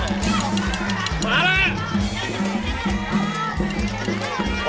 มาแล้ว